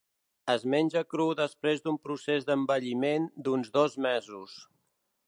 Es menja cru després d'un procés d'envelliment d'uns dos mesos.